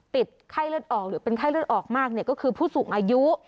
ไข้เลือดออกหรือเป็นไข้เลือดออกมากเนี่ยก็คือผู้สูงอายุ